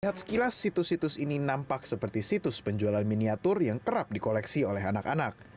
head sekilas situs situs ini nampak seperti situs penjualan miniatur yang kerap di koleksi oleh anak anak